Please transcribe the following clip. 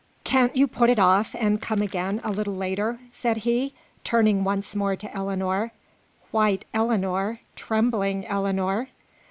"Can't you put it off and come again, a little later?" said he, turning once more to Ellinor white Ellinor! trembling Ellinor!